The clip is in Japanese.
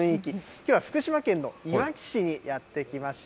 きょうは福島県のいわき市にやって来ました。